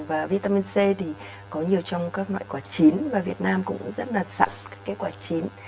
và vitamin c thì có nhiều trong các loại quả chín và việt nam cũng rất là sẵn kết quả chín